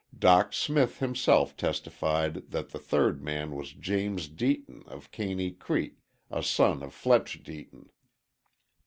Dock Smith himself testified that the third man was James Deaton of Caney Creek, a son of Fletch Deaton.